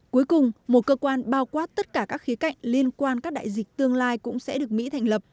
cuối cùng một cơ quan bao quát tất cả các khía cạnh liên quan các đại dịch tương lai cũng sẽ được mỹ thành lập